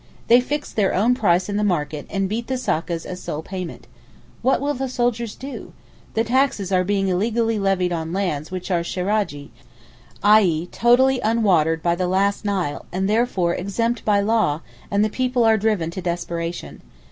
They fix their own price in the market and beat the sakkas as sole payment. What will the soldiers do? The taxes are being illegally levied on lands which are sheragi, i.e. totally unwatered by the last Nile and therefore exempt by law—and the people are driven to desperation.